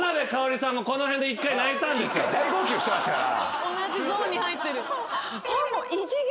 １回大号泣してましたから。